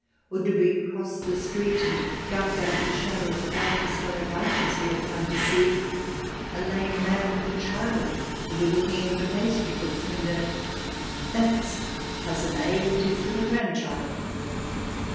Or did we cross the street and duck under the shadow of the dark historic arches we had come to see, a lame man with a child would be looking in at a pastry cook's window —" That's Cousin A and his little grand child."